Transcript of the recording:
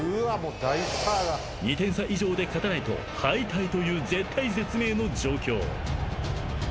［２点差以上で勝たないと敗退という絶体絶命の状況］